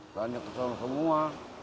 banyak keseluruhan semua